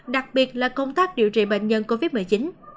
đặc biệt là công tác điều trị bệnh nhân covid một mươi chín